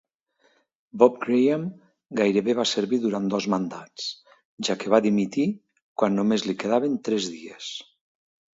Bob Graham gairebé va servir durant dos mandats, ja que va dimitir quan només li quedaven tres dies.